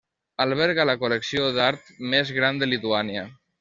Alberga la col·lecció d'art més gran de Lituània.